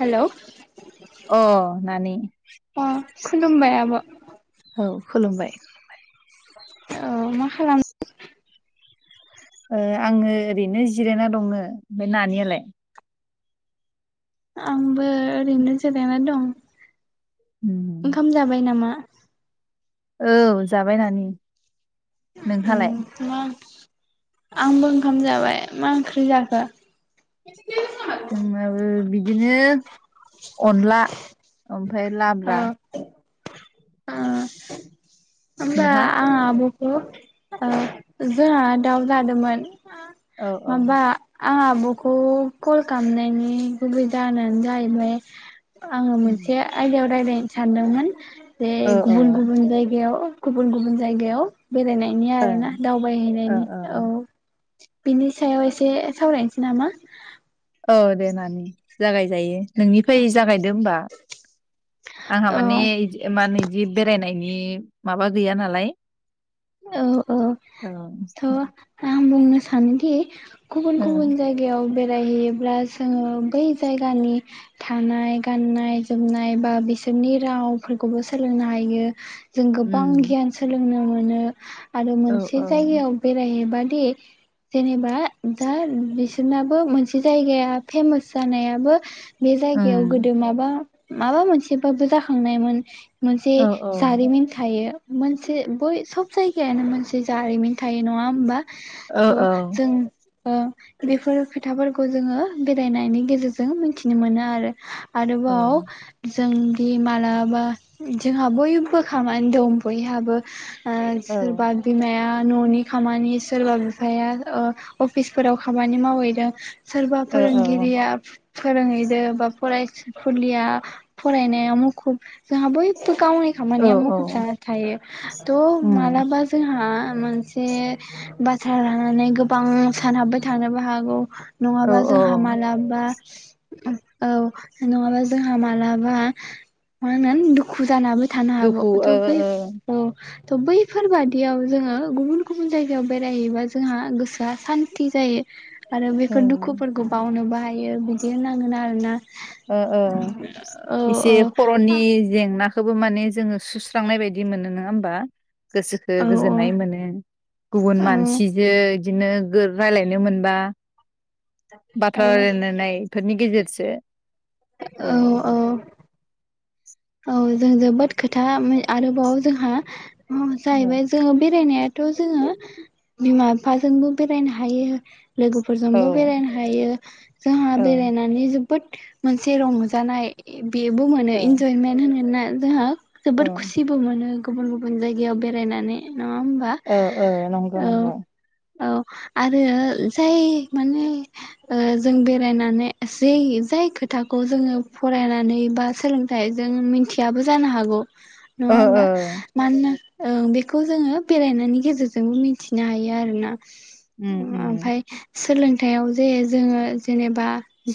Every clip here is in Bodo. हेलौ अ नानि अ खुलुमबाय आब' औ खुलुमबाय औ मा खालाम अ आङो ओरैनो जिरायना दङो नानियालाय आंबो ओरैनो जिरायना दं ओंखाम जाबाय नामा [inaudible] औ जाबाय नानि उ नोंहालाय? मा आंबो ओंखाम जाबाय मा ओंख्रि जाखो जोंनाबो बिदिनो अनला ओम फ्राय लाब्रा [unintelligible] होमब्ला नोंहा? आं आब' ब' ओ जोंहा दाउ जादोंमोन औ औ माबा आं आब'खौ कल खालामनायनि गुबै जाहोनानो जाहैबाय आङो मोनसे आयदायाव रायज्लायनो सानदोंमोन बे गुबुन गुबुन जायगायाव गुबुन गुबुन जायगायाव बेरायनायनि औ आरो ना दावबायहैनायनि औ बिनि सायाव एसे सावरायनोसै नामा? औ दे नानि जागायजायो नोंनिफ्राय जागायदो होमबा आंहा औ माने इदि मा होनो इदि बेरायनायनि माबा गैया नालाय औ औ थ आं बुंनो सानोदि गुबुन ओं गुबुन जायगायाव बे बेरायहैयोब्ला जोङो बै जायगानि थानाय गाननाय जोमनाय बा बिसोरनि रावफोरखौबो सोलोंनो हायो। जों गोबां उम गियान सोलों नो मोनो आरो औ मोनसे औ जायगायाव बेरायहैबा दि जेनेबा दा बिसोरनाबो मोनसे जायगाया फेमास जानायाबो बे जायगायाव ओं गोदो माबा माबा मोनसेबाबो जाखांनायमोन। मोनसे औ जारिमिन थायो मोनसे बय सब जायगायानो मोनसे जारिमिन थायो नङा होमबा? औ थ जों ओ बेफोर खोथाफोरखौ जोङो बेरायनायनि गेजेरजों मिथिनो मोनो आरो ओ आरोबाव जोंदि मालाबा जोंहा बयबो खामानि दं बयहाबो ओ औ सोरबा बिमाया ननि खामानि सोरबा बिफाया ओ अफिसफोराव खामानि मावहैदों सोरबा औ फोरोंगिरिया फोरोंहैदो बा फरायसुलिया फरायनायाव मुखुब जोंहा बयबो गावनि औ खामानियाव मुखुब औ जाना थायो थ उम मालाबा जोंहा ओ मोनसे बाथ्रा लानानै गोबां सानहाबबाय थानोबो हागौ। औ नङाबा जोंहा मालाबा औ नङाबा जोंहा मालाबा मा होनगोन दुखु जानाबो थानो हागौ दुखु थ ओ बै ओ औ थ बै फोर बादियाव जोङो गुबुन गुबुन जायगायाव बेरायहैबा जोंहा गोसोआ सान्थि जायो। आरो ओ बेफोर दुखुफोरखौ बावनो बो हाय यो बिदि होननांगोन आरो ना। ओ ओ एसे औ खरनि जेंना खोबो माने जोङो सुस्रांनाय बायदि मोनो नोङा होमबा? गोसोखो औ गोजोननाय मोनो गुबुन औ मानसिजो बिदिनो गो रायलायनो मोनबा बाथ्रा औ रायलायनायफोरनि गेजेर जो औ। औ जों जोबोद खोथा मो आरोबाव जोंहा अ औ जाहैबाय जोङो बेरायनाया थ' जोङो बिमा बिफाजोंबो बेरायनो हायो औ लोगोफोरजोंबो बेरायनो हायो जोंहा औ बेरायनानै जो बोद मोनसे रंजानाय बेबो मोनो इन होनगोन ना जोंहा औ जोबोर खुसिबो मोनो गुबुन गुबुन जायगायाव बेरायनानै नङा होमबा औ औ नंगो औ नंगौ। औ आरो जाय माने ओ जों बेरायनानै जै जाय खोथाखौ जोङो फरायनानै बा सोलों थाय जों मिथियाबो जानो हागौ। नङा ओ होमबा ओ मानोना ओं बेखौ जोङो बेरायनायनि गेजेरजोंबो मिथिनो हायो आरो ना। उम उम ओ-ओमफाय सोलों थायाव जे जोङो जेनेबा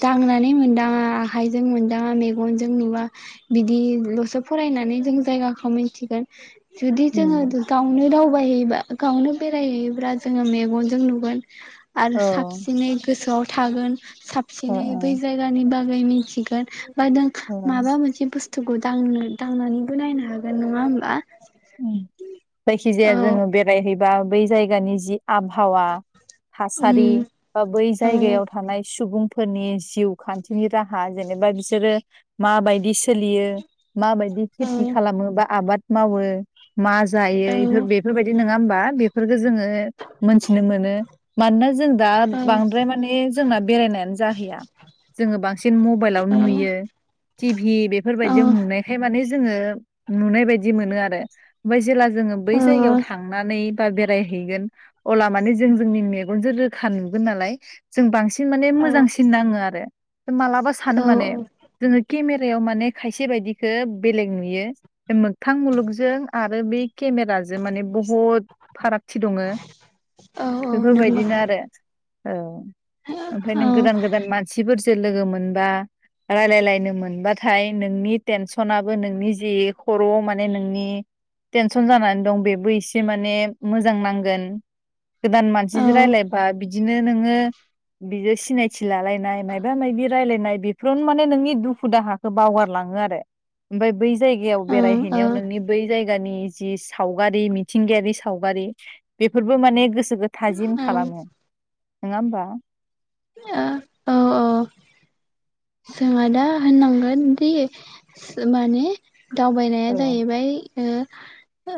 दांनानै मोनदाङा आखाइजों मोनदाङा मेगनजों नुवा बिदिल'सो फरायनानै जों जायगाखौ मोनथिगोन। जुदि जोङो उम दुर गावनो गाव बेरायहैबा गावनो बेरायहैयोब्ला जोङो मेगनजों नुगोन आरो औ ओ साबसिनै गोसोआव थागोन ओ साबसिनै बै जायगानि बाग गै मोनथिगोन बा दों ओ माबा मोन बिदि बुस्थुखौ दांनो दांनानैबो नायनो हागोन नङा होमबा ओं जायखि जाया औ जोङो बेरायहै बा बै जायगानि जि आबहावा थासारि उम बा बै औ जायगायाव थानाय सुबुं फोरनि जिउ खान्थिनि राहा जेनेबा बिसोरो माबायदि सोलियो माबायदि औ खेथि खालामो बा आबाद मावो मा जायै औ फोर बेफोरबायदि नङा होमबा? बेफोर खो जोङो मोनथिनो मोनो। मानोना जों दा औ बांद्राय माने जोंना बेरायनायानो जाहैया जोङो बांसिन मबाइलावनो औ नुयो टि भि औ बेफोरबायदियाव नुनायखाय माने जोङो नुनाय बायदि मोनो आरो। ओमफाय जेला जोङो बै ओ औ जायगायाव थांनानै बा बेरायहैगोन अला माने जों जोंनि मेगनजों रोखा नुगोन नालाय जों बांसिन सिन माने औ मोजांसिन नाङो आरो। मालाबा सानो औ माने जोङो केमेरायाव माने खायसे बायदिखौ बेलेग नुयो मोगथां मुलुगजों आरो बे केमेराजों माने बहुद फारागथि दङो औ औ नंगौ बेफोरबायदिनो आरो। औ ओमफाय औ नों ओं गोदान गोदान मानसिफोर जों लोगो मोनबा रायलायलायनो मोनबाथाय नोंनि टेनसनाबो नोंनि जि खर'आव माने नोंनि टेनसन जानानै दं बेबो एसे माने मोजां नांगोन गोदान ओ मानसिजों रायलायबा बिदिनो नोङो बियो सिनायथि लालायनाय मायबा मायबि रायलायनाय बेफ्रावनो माने नोंनि दुखु दाहाखौ बावगारलाङो आरो ओमफाय बै जायगायाव ओं ओ बेरायहैनायाव नोंनि जायगानि जि सावगारि मिथिंगायारि सावगारि बेफोरबो माने गो सोखौ थाजिम खालामो। नङा होमबा? अ औ औ जोङो दा होननांगोनदि माने दावबायनाया औ जाहैबाय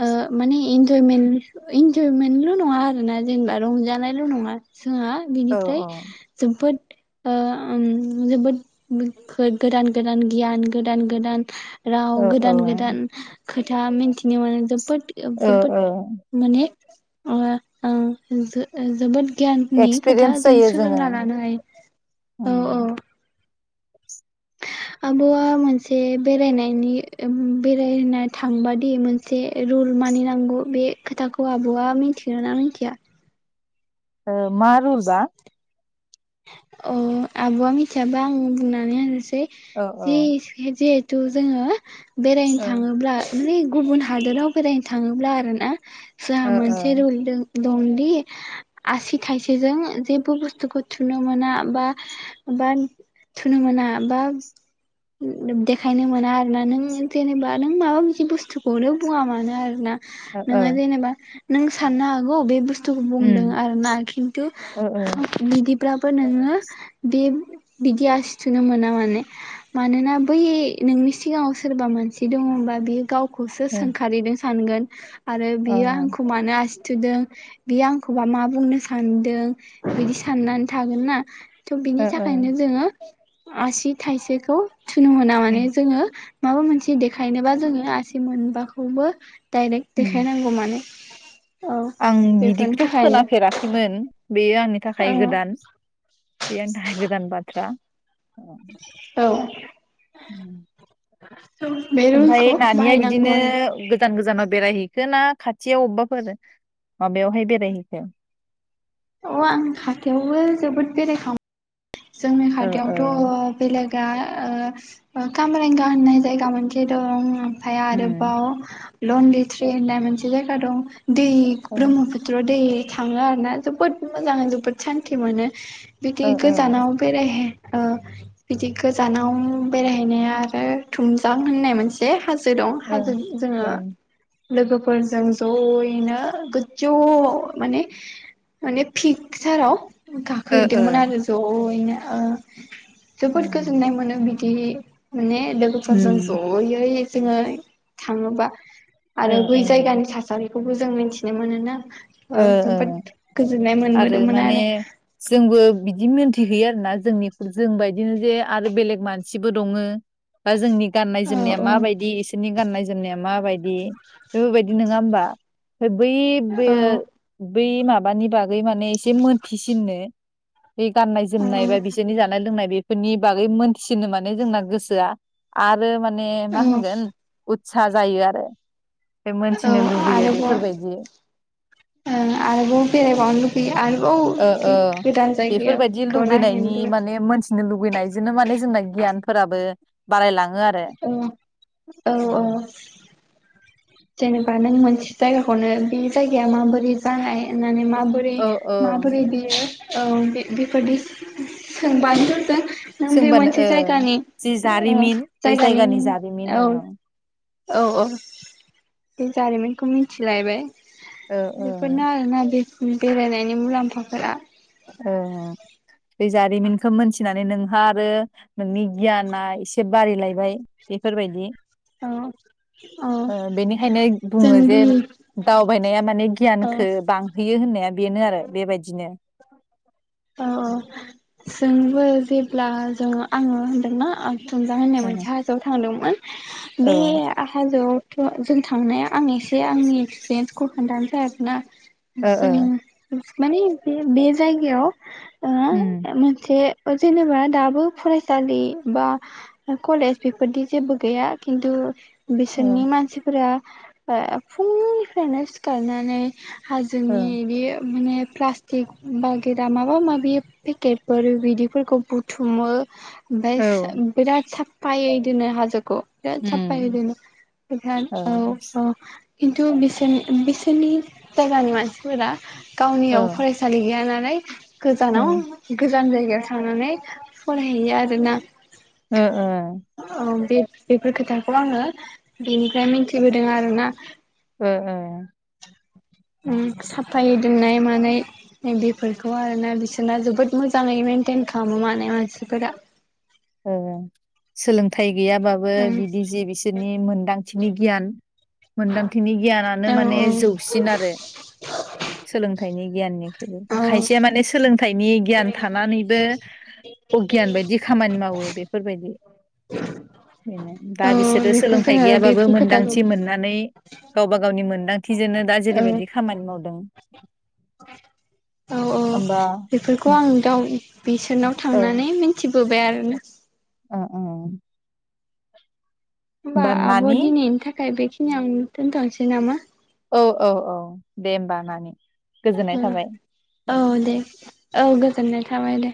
ओ माने इन्जयमेन्ट इन्जयमेन्टल' नङा आरोना जेनेबा रंजानायल' नङा जोंहा औ बिनिफ्राय औ जोबोद ओ जोबोद गोदान गोदान गियान गोदान गोदान औ राव औ गोदान गोदान खोथा मिन्थिनो मोनो जोब जोबोद ओ जोबोद ओ माने ओ जोबोद गियाननि एक्सपिरियेन्स खोथाजों जायो जोङो सोलोंना लानो हायो उम औ औ आबौआ मोनसे बेरायनायनि बेरायनो थांबादि मोनसे रुल मानिनांगौ बे खोथाखौ आब'आ मिथिगोन ना मिथिया मा रुलजा अ आब'आ मिथियाबा आं बुंनानै होनसै औ औ जि जे थ जोंङो बेरायनो ओ थांङोब्ला माने गुबुन हादोराव बेरायनो थांङोब्ला आरो ना जोंहा ओ मोनसे रुल दं दंदि आसि थायसेजों जेबो बुस्थुखौ थुनो मोना बा थुनो मोना बा देखायनो मोना आरोना नों जेनेबा नों माबा बिदि बुस्थुखौनो बुंङा मानो आरो ना ओ ओ नोंङो जेनेबा नों साननो हागौ बे बुस्थु बुंदों उम आरो ना खिन्थु ओ ओ बिदि फोराबो नोङो बे बिदि आसि थुनो मोना माने मानोना बै नोंनि सिगाङाव सोरबा मानसि दंङ होनबा बियो गाव खौसो ओ अ सोंखारिदों सानगोन आरो बियो आंखौ मानो आसि थुदों बे आंखौबा मा बुंनो सानदों बिदि साननानै थागोनना थ' बिनि ओ ओ थाखायनो जोंङो आसि थाइसेखौ थनो मोना माने जोंङो माबा मोनसे देखायनोबा जोंङो आसि मोनबाखौबो डाइरेक्ट उम देखायनांगौ मानो आं बिदिखौथ खोनाफेराखैमोन बेयो आंनि औ थाखाय गोदान [unintelligible] औ उम बे ओमफ्राय रुलखौ नानिया बाहायनांगौ बिदिनो आरो गोजान- गोजान गोजानाव बेरायहैखो ना खाथियाव अबेबाफोर माबायावहाय बेरायहैखो? अ आं खाथियावबो जोबोद बेरायखांबाय। जोंनि ओ ओ खाथियावथ' बेलेग दा ओ कामरेंगा होननाय जायगा मोनसे दं ओ फ्राय उम आरोबाव लन लिट्रि होननाय मोनसे जायगा दं। दै ओ ब्रह्मपुत्र दै थाङो आरोना जोबोद मोजां, जोबोद सान्ति मोनो। ओ बेदि ओ गो जानाव बेरायहै ओ बिदि गोजानाव बेरायहैनाया आरो थुमजां होननाय मोनसे हा जो दं। हाजो जोङो ओ लोगोफोरजों जयैनो गोजौआव माने माने फिकचाराव ओ गाखोहैदोंमोन ओ आरो। अ' इनो। ओ जोबोद गोजोननाय मोनो बि माने। लोगोफोरजों उम जयै जोङो थाङोबा ओ आरो बै ओ जायगानि थासारि खौबो जों मिथिनो मोनोना। ओ- ओ जोबोद गोजोननाय आरो मोनबोदोंमोन माने जोंबो बिदिमोन गिहैयो आरोना जोंनि जोंबादिनो जे आरो बेलेग मानसिबो दङो दा जोंनि औ गाननाय-जोमनाया औ माबायदि इसोरनि गाननाय -जोमनाया माबाय दि बेफोरबायदि नोङा होमबा? ओमफ्राय बै औ बेयो बै माबानि बागै माने एसे मोनथिसिननो बे गाननाय -जोमनाय बा बिसोरनि जानाय लोंनाय बे फोरनि बागै मोनथिसिननो माने जोंना गोसोआ आरो माने औ मा होनगोन उत सा जायो आरो। बे औ मोनथिनो लुुगैयो आरोबाव बेफोरबायदि। ओ आरोबाव बेरायबावनो लुुबैयो ओ ओ आरोबाव गोदान बेफोरबायदि जायगाखौ नायहैनो लुगैनायनि माने मोनथिनो लुुबैनायजोंनो माने जोंना गियानफोराबो बारायलाङो। आरो औ औ औ। उम जेनेबा नों मोनसे जायगाखौनो बे जायगाया माबोरै जानाय होननानै मा माबोरै औ औ माबोरै बियो। औ बे बेफोरदि सोंबानोथ जों। नों बे सोंबानो मोनसे ओ जायगानि जि औ जारिमिन बै जायगानि जारिमिन औ। औ औ बे जारिमिनखौ मिथिलायबाय। ओ ओ बेफोरनो आरो ना बे बेरायनायनि मुलाम्फाफोरा। ओं ओं। बे जारिमिनखो मोनथिनानै नोंहा आरो नोंनि गियाना एसे बारिलाय बाय बेफोरबायदि। औ औ ओ बेनिखायनो बुङो जे जोंदि दावबायनाया माने औ गियानखो बांहोयो होननाया बेनो आरो बेबायदिनो। औ औ जोंबो जेब्ला जों आङो होनदोंना। थुमजां होननाय ओ मोनसे हाजोआव थांदोंमोन। बे औ आ हाजोआव। थ जों थांनाया आं एसे आंनि एक्सपिरियेन्सखौ खोन्थानोसै आरो ना। ओ ओ जों माने बे बे जायगायाव। ओ उम मोनसे जेनेबा दाबो फरायसालि बा कलेज बेफोरदि जेबो गैया खिन्थु ओ बिसोरनि मानसिफोरा फुंनिफ्रायनो सिखारनानै ओ हाजोनि बे माने प्लास्टिक बा गिर दा माबा माबि पेकेटफोर बिदिफोरखौ बुथुमो। ओमफ्राय औ बिराद साफायै दिनै हाजोखौ। बेराद साफायै। उम थोनो ओमफ्राय ओ औ औ। खिन्थु बिसोरनि बिसोरनि जायगानि मानसिफोरा। ओ गावनियाव फरायसालि गैयानाल। उम गोजानाव। गोजान जायगायाव थांनानै फरायहैयो आरोना ओ ओ औ बे बेफोर खोथाखौ आङो बेनिफ्राय मिथिबोदों आरोना ओ ओं अम साफायै दोननाय मानाय बेफोरखौ आरोना बिसोरना जोबोद मोजाङै मेेनटेन खालामो माने मानसिफोरा ओं ओं सोलोंथाइ गैयाबाबो उम बिदि जि बिसोरनि मोन्दांथिनि गियान मोनदांथिनि गियानानो औ माने औ जौसिन आरो सोलोंथाइनि गियाननिख्रुु औ खायसेया माने सोलों फिथाइनि गियान थानानैबो अगियान बायदि खामानि माव बेफोरबायदि बेनो दा औ बिसोरो बेखौ सोलोंथाइ जोङो गैयाबाबो बेफोर खोथाखौ मोनदांथि मोननानै गावबा गावनि मोन मोनदांथिजोंनो दा औ जेरैबायदि खामानि मावदों औ औ होमबा बेफोरखौ [inaudible] बिसोरनाव ओ थांनानै मिनथि होबाय आरोना ओ अम होमबा आब' नानि दिनैनि थाखाय बेखि नियावनो दोनथनोसै नामा औ औ औ दे होमबा नानि गोजोननाय थाबाय औ दे औ गोजोनाय थाबाय दे